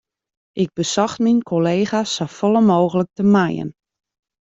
Ik besocht myn kollega's safolle mooglik te mijen.